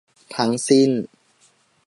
ทั้งสิ้น